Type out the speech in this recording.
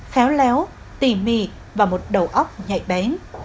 khéo léo tỉ mỉ và một đầu óc nhạy bén